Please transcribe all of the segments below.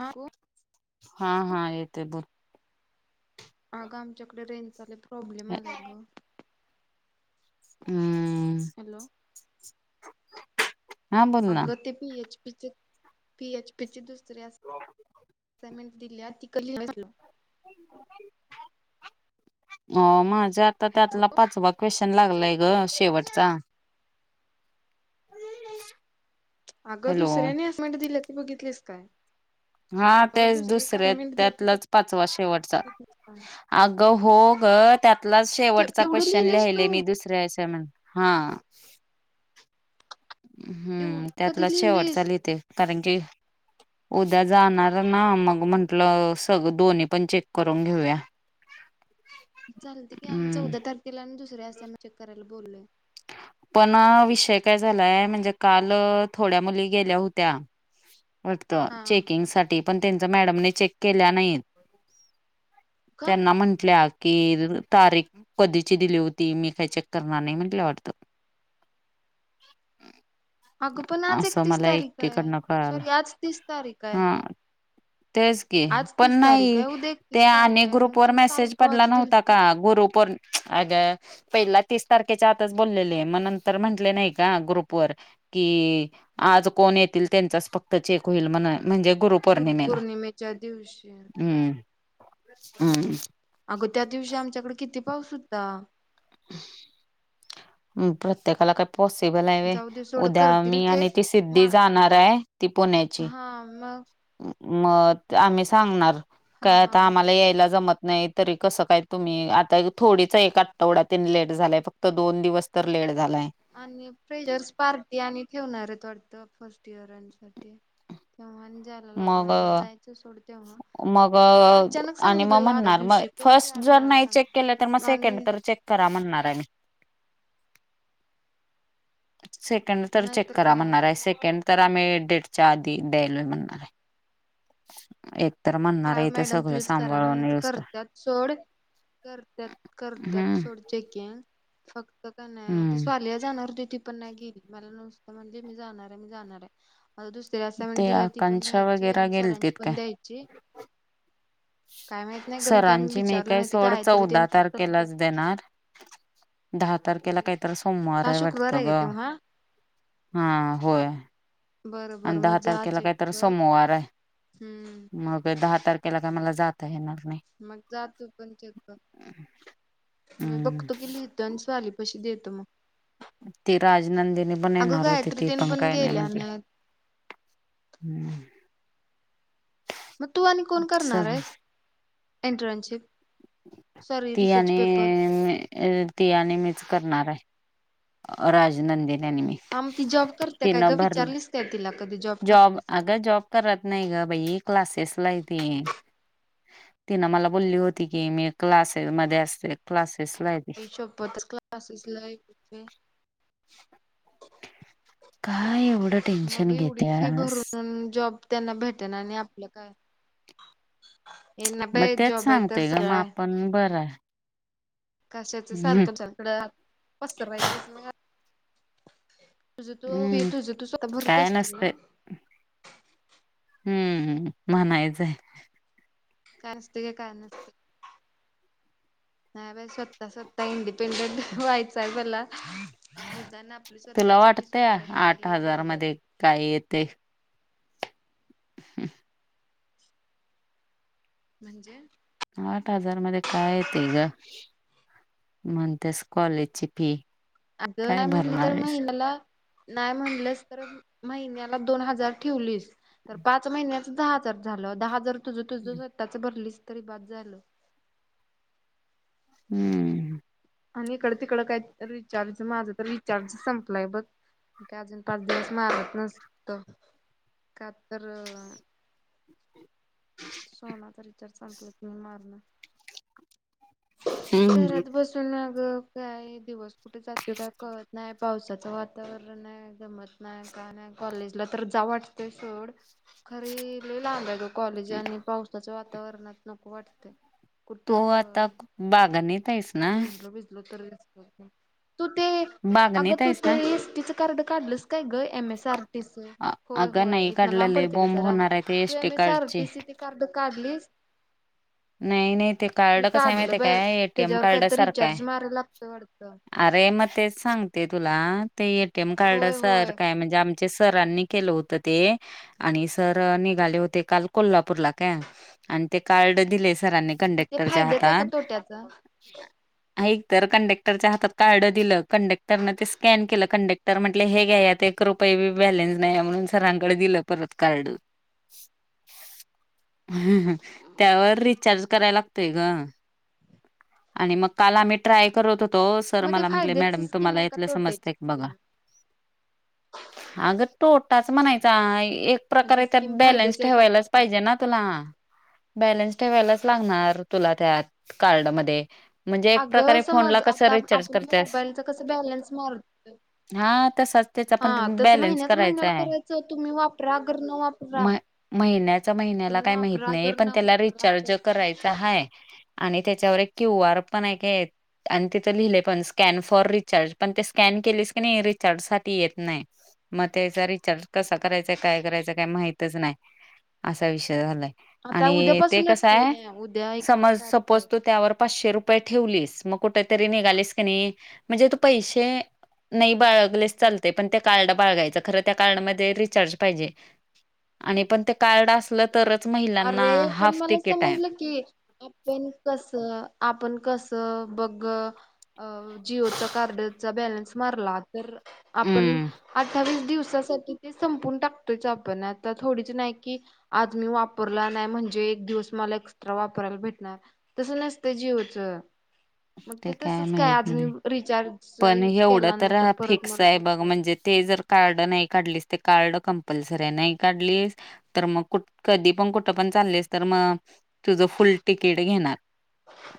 हा कोण? हा हा येतय बोल. अगं आमच्याकडे रेंजचालय प्रॉब्लेम आलाय गं. हम. हॅलो. हा बोल ना अग ते पी एच पीचे पी एच पीचे द दुसरी असायमेंट दिलीया ती कमी झाल अ माझा आता त्यातला हॅलो पाचवा क्वेश्चन लागलाय. ग शेवटचा. अगं हॅलो दुसरी आणि असायमेंट दिलिया ते बघितलीस काय? हा अगं तेच दुसरी एक दुसरे असाइनमेंट दिल्या ती त्यातलाच पाचवा शेवटचा. बघितलीस काय अगं हो गं त्यातला ते शेवटचा एवढं क्वेश्चन लिहिलेस तू लिहियले मी दुस यच म्ह हा हम्म, एवढी त्यातला कधी शेवटचा लिहिलीस लिहिते, कारण की उद्या जाणार ना, मग म्हंटलं सगं दोन्ही पण चेक करून घेऊया. [inaudible] चालते की आणि हम्म चौदा तारखेला आणि दुसऱ्या असाम चेक करायला बोललेलं ये. पण विषय काय झालायं, म्हणजे काल थोड्या मुली गेल्या होत्या वाटत हा चेकिंग साठी. पण त्यांचा मॅडम चेक केल्या नाही, का त्यांना म्हंटल्या कि तारीख कधीची दिली होती, मी काही चेक करणार नाही म्हंटलं. ह अगं पण [inaudible] आज असं एकतीस मला तारीख एकटी आहे कडनं कळालं, सॉरी आज तीस तारीख आहे हा. तेच कि आज पण तीस तारीख नाही आहे उद्या ते एकतीस आणि तारीख आहे ग्रुप मग वर तिनं तारीख मेसेज पडला कवाची नव्हता दिलती का गुरुपोर अगं पहिला तीस तारखेच्या आतच बोललेले ये, मग नंतर म्हंटले नाही का ग्रुप वर. कि आज कोण येतील त्यांचाच फक्त चेक होईल, म्हण म्हणजे गुरुपौर्णिमेला, गुरुपौर्णिमेच्या दिवशी हम्म- हम्म. अगं त्या दिवशी आमच्याकडे किती पाऊस हुता. ह [inaudible] हम् प्रत्येकाला काय पॉसिबल हाय व्हय, जाऊ दे सोड उद्या करतील मी चेक आणि ती म सिद्धी जाणार आहे, ती पुण्याची हा मग मग आम्ही सांगणार हा काय हा आता हा आम्हाला यायला जमत नाही तरी कसं काय तुम्ही आता थोडीच एक आठवडा लेट झालाय फक्त दोन दिवस तर लेट झालाय. आणि प्रेशर्स पार्टी आणि ठेवणार आहे, वाटतं फर्स्ट इयरानं साठी. चनज [unintelligible] लागणार मग जायचं सोड तेव्हा, मग खरं अचानक आणि मग सांगितलेलं आ म्हणणार मग दिवशी. कोण फर्स्ट तयार जर होणार नाही चेक केलं तर मग सांग सेकंड आणि तर चेक करा म्हणणार आहे मी. सेकंड तर चेक नाहीतर करा काय म्हणणार आहे, सेकंड तर आम्ही डेटच्या आधी द्यायलोय म्हणणार. एक तर म्हणणार काय आहे ओ इथे मॅडम सगळं प्लीज करा, सांभाळून म्हणायचं येऊस तर करत्यात सोडं करत्यात- करत्यात हम्म. सोड चेकीगं. फक्त का नाही ती हम्म. स्वालीया जाणार होती ति. पण नाही गेली मला नुसतं म्हणले मी जाणार आहे, मी जाणार आहे. आता दुसरी असायमट ते दिल्या ती पण आकांक्षा द्यायची, वगैरे आणि सरांची गेलतीत काय? पण द्यायची काय माहित नाही ग मी काय सरांची नही विचारलं काय नाही ते सोडं गायत्री चौदा तेन काय तर तारखेलाच देणार. दहा तारखेला काय तर सोमवार हा आहे शुक्रवार वाटतं का गं, तेव्हा हा होय. बरं आणि बरं दहा मग जा तारखेला चेक काहीत कर सोमवार आहे, हम्म मग अं दहा तार त्याला काय मला जाता येणार नाही. मग जा तु पण चेक कर, मी हम्म. बघतो गेली अन् स्वाली पशी देतो म ती राजनंदिनी पण अगं येणार होती, गायत्री ती तेन पण काय नाही गेल्या म्हटली. नाहीत [inaudible] मग तू आणि कोण करणार सग आहेस इंटरनशीप? ती आणि, ती आणि मीच करणार आहे. राजनंदेने आणि मी. हा मग ती जॉब करते काय तिनं ग? भरल विचारलीच का तिला कधी जॉब करतेस का? अगं जॉब करत नाही ग बाई, क्लासेस ला आहे ती. तिनं मला बोलली होती की मी क्लासेस मध्ये असते. क्लासेस ला आहे. [unintelligible] मग काय एवढं टेन्शन एवढी फी घेत्यास? भरून अन जॉब त्यांना भेटण आणि आपलं काय? हेना बे जॉब आहे तर सगळं आहे. पण मी बराय. कशाचं सारखं [unintelligible] तुझं तू [unintelligible] हम्म तुझं तू स्वतः भरत काय असतील ना? नसतंय. हम्म म्हणायचंय. काय असत ग? काय नसत. नाही बाई, स्वतः स्वतः इंडिपेंडेंट व्हायचय आहे मला. निदान आपली तुला स्वतःची फी स्वतःला भरायला येईल एवढं. काही येते. ह. म्हणजे? आठ हजार मधे काय येतेय ग? म्हणतेस कॉलेजची फी. अगं, काय नाही म्हणलं भरणार तर आहेस? महिन्याला नाही म्हणलंस तर महिन्याला दोन हजार ठेवलीस, तर पाच महिन्याच दहा झालं, दहा हजार तुझ तुझ स्वतःच भरलीस तरी बास झालं. हम्म. आणि इकडं तिकडं काय रिचार्ज, माझं तर रिचार्जच संपलंय बघ. मी काय अजून पाच दिवस मागत नसत. का तर सोनाच रिचार्ज संपल की मी मागणार. हम्म. घरात बस सून अग काय दिवस कुठ जातोय काय कळत न्हाय. पावसाचं वातावरण हाय काय जमत नाय, काय नाय कॉलेजला तर जाव वाटतय सोड, खरी लई लांब आहे बघ कॉलेज आणि पावसाच्या वातावरणात नको वाटतय. तो आता बागनीत आहेस? ना? भिजलो भिजलो तर [unintelligible] तू ते, अग बागणीत तू आहेस ना? ते एस टि च कार्ड काढलंस काय ग? M S R T C. अ- होय अगं होय नाही इतंन लांब काढलेले पडते ग बॉम्ब जरा. होणार आहे ते एसटी एम एस आर कार्डचे पीसी कार्ड काढलीस? नाही नाही, ते कार्ड मी कस आहे काढलं माहिते बाई काय? एक त्याच्यावर काय तर रिचार्ज मारा लागतं वाटतं. अरे! मग तेच सांगते तुला ते ए टी एम कार्ड होय सर होय काय म्हणजे आम चे सरांनी केलं होत ते, आणि सर निघाले होते काल कोल्हापूरला का आणि ते कार्ड दिले सरांनी मग ते कंडक्टरच्या फायद्याचं आहे का हातात तोट्याचा ऐक तर कंडक्टरच्या हातात कार्ड दिलं, कंडक्टरने ते स्कॅन केलं. कंडक् टर म्हटले हे घ्या यात एक रुपये बी बॅलेन्स नाही, म्हणून सरांकडे दिलं परत कार्ड. त्यावर रिचार्ज कराय लागतय गं,, आणि मग काल आम्ही ट्राय करत होतो सर मग ते मला म्हंटले फायद्याची मॅडम स्कीम तुम्हाला आहे का इथलं तोट्याची समजतय का बघा. स्कीम अगं तोटाच म्हणायचा, एक मग ती प्रकारे त्यात स्कीम बॅलन्स फायद्याची आहे का ठेवायलाच तोट्याची पाहिजे ना तुला. बॅलन्स ठेवायलाच लागनार तुला त्यात कार्डमध्ये. अगं समज, आता आपण करतेस मोबाईलचा कसं बॅलन्स मारतोय हा तसाच त्याचा पण बॅलन्स करायचा महिन्याला आहे,, करायचं तुम्ही वापरा गर न वापरा म महिन्याचा महिन्याला तुम्ही काही माहीत वापरा नाही गर न पण त्याला वापरा असं रिचार्ज आहे का? करायचा हाय. आणि त्याच्यावर एक क्यू आर पण आहे काय आणि तिथं लिहिले पण, स्कॅन फॉर रिचार्ज, पण ते स्कॅन केलेस की नाही रिचार्ज साठी येत नाही. मग त्याचा रिचार्ज कसा करायचाय काय करायचा काय माहितच नाही, असा विषय झालाय. आता उद्या आणि पण ते उद्यापासूनच कसा की आहे,, नाही समज सपोज तू आहे त्यावर पाचशे रुपय पय ठेवलीस, मग कुठ तरी निघालीस क नाही, म्हणजे तू पैसे नाही बाळगलेच चालतय पण ते कार्ड बाळगायचं, खरं त्या कार्डमध्ये रिचार्ज पायजे. आणि पण ते कार्ड असलं तरच महिलांना अरे पण हाफ मला तिकीट आहे. समजलं की, आपण कसं आपण कसं बघ अ जिओचा कार्डचा बॅलन्स मारला तर आपण हम्म अठ्ठावीस दिवसासाठी ते संपून टाकतोयच आपण, आता थोडीच नाही की आज मी वापरला नाही म्हणजे एक दिवस मला एक्स्ट्रा वापरायला भेटणार. तसं नसतय जिओचं. मग ते तसंच काय आज मी रिचार्जचा पण यूज एवढं केला नाही तर हा परत फिक्स मला आहे बघ म्हणजे ते जर कार्ड नाही काढलीस, ते कार्ड कंपल्सरी आहे, नाही काढलीस तर मग कुठं कधी पण कुठं पण चाललीस तर मग, तुझं फुल तिकीट घेणार. हा.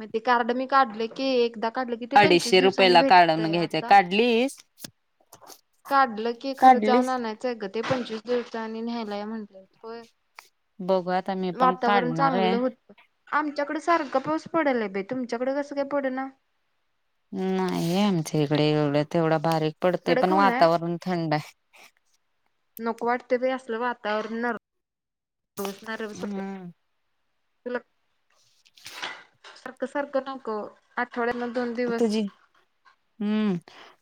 मग ते कार्ड मी काढले की, एकदा काढलं की ते पंचवीस दिवसांनी भेटतय आता. लीस काढलं की, खरं जाऊन काढलीस. आणायचंय गं ते, पंचवीस दिवसांनी न्यायला या म्हटल्यांत, होय बघू आता मी पण वातावरण काढणार चांगलं आहे. होत आमच्याकडं सारखं पाऊस पडलाय बाई तुमच्याकडं कसं काय पडना? नाहीय आमच्या इकडे एवढं, तेवढा बारीक पडतय पण कडक ऊन आहे वातावरण थंड आहे. नको वाटत बाइ असलं वातावरणार [unintelligible] हम्म, तुला सारखं सारखं नको, आठवड्यातनं दोन दिवस तुझी हम्म,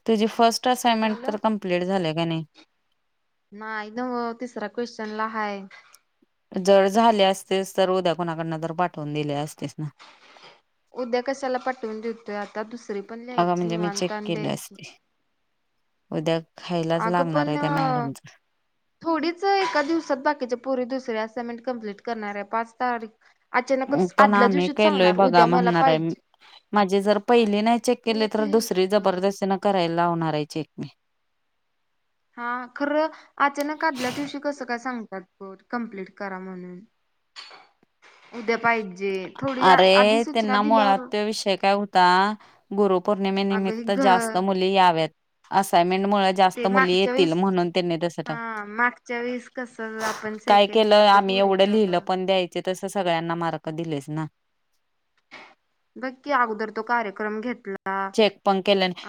तुझी फर्स्ट काय असइनमेंट तर झालं कंम्प्लीट झाल्या का नाही. नाही नव्हं तिसरा क्वेश्चन ला हाय. जर झाले असतेस तर उद्या कुणाकडनं तर पाठवून दिले असतेस ना. उद्या कशाला पाठवून देतोय आता दुसरी पण अगं लिहायची म्हणजे मी चेक निवांत आणि केले द्यायची. असते उद्या खायलाच अगं लागणार पण आहे त्या मॅडमचं. थोडीच एका दिवसात बाकीच्या पोरी दुसरी असाइनमेंट कंप्लीट करणार आहे, पाच तारीख अचानकच, पण आदल्या आम्ही दिवशीच सांगणार, उद्या मला पायजे माझी जर पहिली नाही चेक केली तर दुसरी लिहिलंस ग जबरदस्तीन करायला लावणार आहे चेक मी. हा खरं, अचानक आदल्या दिवशी कसं काय सांगतात बर कम्प्लीट करा म्हणून. उद्या पायजे थोडी आधी अरे सुचना त्यांना मुळात दिल्यावर तो विषय काय? का अगं हे गुरुपौर्णिमेनिमित्त घ जास्त मुली याव्यात असाग्नमेंट मुळे जास्त ते मुली मागच्या येतील वेळेस म्हणून त्यांनी तस टा हा मागच्या वेळेस कसं आपण काय सेकंड केलं इयरच्या आम्ही एवढं पोरीच लिहिलं पण द्यायचे तसं सगळ्यांना मार्क दिलेच ना नक्की अगोदर तो कार्यक्रम घेतला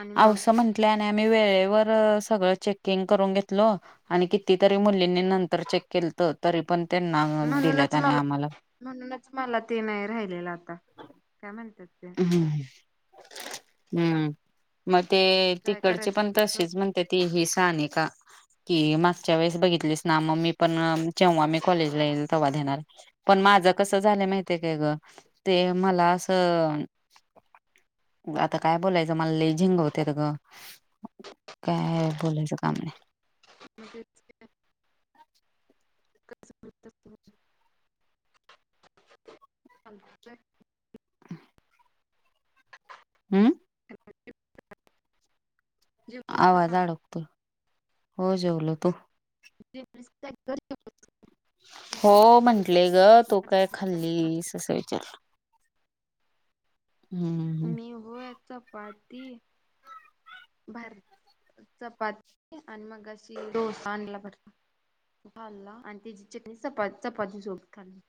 आणि मग तिथल्या आणि आम्ही वेळेवर सगळं चेकिंग करून घेतल आणि कितीतरी मुलींनी नंतर चेक केलंत तरी पण त्यांना दिलं म्हणूनच त्याने मला आम्हाला म्हणूनच मला ते नाही राहिलेलं आता काय म्हणतात ते हम्म हम्म मग ते काय तिकडची करायचं पण ते तशीच म्हण त ती ही सानिका की मागच्या वेळेस बघितलीस ना मग मी पण जेव्हा मी कॉलेजला येईल तेव्हा देणार पण माझं कसं झालं माहितीय काय ग ते मला असं आता काय बोलायचं मला लय झिंगवते ग काय बोलायचं काम नाय. [inaudible] हम्म. ओके. आवाज अडकतो. हो जेवलो, तू? [unintelligible] हो म्हंटलेय ग तू काय खाल्लीस असं विचारलं. हम्म मी होय चपाती. भा चपाती आणि मग मगाशी डोसा आणला भर खाल्ला आणि त्याची चटणी चपा चपाती सोबत खाल्ली